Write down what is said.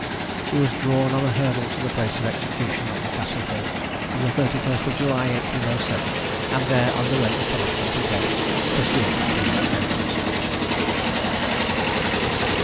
She was drawn on a hurdle to the place of execution on the Castle hill, on the 31st of July 1807, and there underwent the punishment of death pursuant to her sentence.